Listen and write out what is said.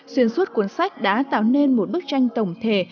xuyên suốt cuốn sách đã tạo nên một bức tranh tổng thể